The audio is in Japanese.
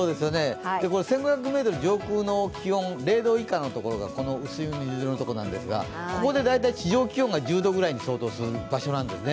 これ、１５００ｍ上空の気温、０度以下の所がこの薄い水色のところなんですが、ここで大体地上気温が１０度ぐらいに相当する場所なんですね。